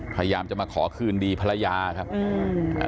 พยายามจะมาขอคืนดีภรรยาครับอืมอ่า